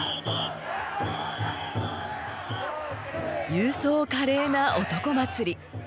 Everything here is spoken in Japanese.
勇壮華麗な男祭り。